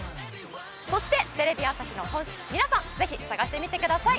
そして、テレビ朝日の公式テレ朝探してみてください。